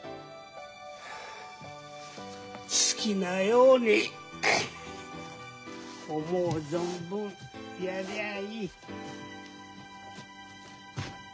好きなように思う存分やりゃあいい。